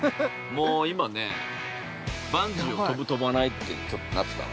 もう今ね、バンジーを飛ぶ飛ばないってなってたの。